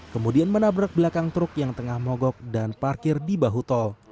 kemudian menabrak belakang truk yang tengah mogok dan parkir di bahu tol